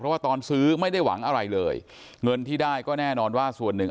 เพราะว่าตอนซื้อไม่ได้หวังอะไรเลยเงินที่ได้ก็แน่นอนว่าส่วนหนึ่ง